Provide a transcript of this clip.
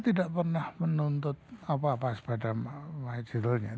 tidak pernah menuntut apa apa pada muhajirulnya